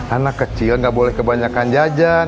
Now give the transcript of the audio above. anak kecil nggak boleh kebanyakan jajan